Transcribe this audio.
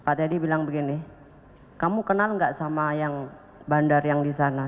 pak teddy bilang begini kamu kenal gak sama yang bandar yang disana